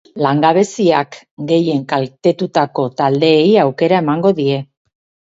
Langabeziak gehien kaltetutako taldeei aukera emango die.